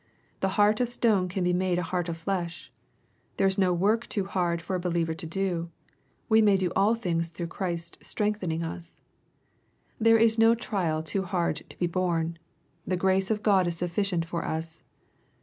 The heart of stone can be made a heart of flesh. — There is no work too hard for a believer to do. We may do all things through Christ strengthening us. — There is no trial too hard to be borne. The grace of God is sufficient for us.